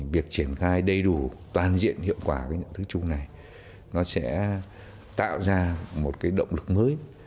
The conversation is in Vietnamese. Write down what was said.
việc triển khai đầy đủ toàn diện hiệu quả những thứ chung này sẽ tạo ra một động lực mới